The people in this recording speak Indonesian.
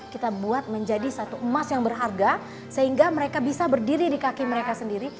kita buat menjadi satu emas yang berharga sehingga mereka bisa berdiri di kaki mereka sendiri